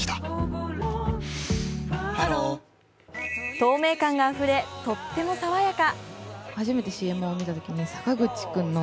透明感があふれとっても爽やか。